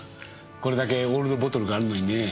これだけオールドボトルがあるのにね。